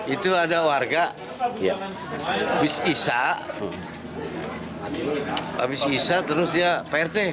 itu ada warga habis isa habis isa terus dia prt